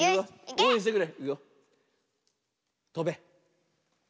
おうえんしてね！